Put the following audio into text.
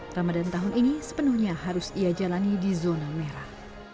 ramadan tahun ini sepenuhnya harus ia jalani di zona merah